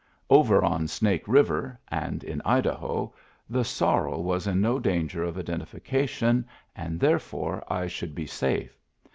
Over on Snake River, and in Idaho, the sorrel was in no danger of identifica tion, and therefore I should be safe.